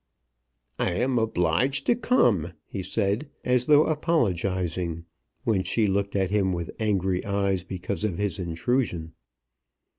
"I am obliged to come," he said, as though apologizing when she looked at him with angry eyes because of his intrusion.